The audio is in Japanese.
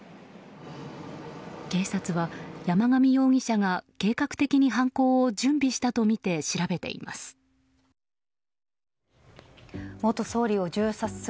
警察は山上容疑者が計画的に犯行を準備したとみて調べています。